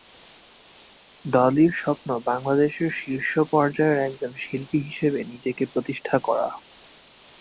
ডলির স্বপ্ন বাংলাদেশের শীর্ষ পর্যায়ের একজন শিল্পী হিসেবে নিজেকে প্রতিষ্ঠা করা।